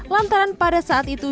lantaran pada saat itu